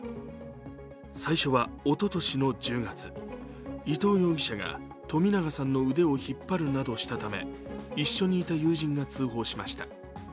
最初はおととしの１０月伊藤容疑者が、冨永さんの腕を引っ張るなどしたため、一緒にいた友人が通報しました。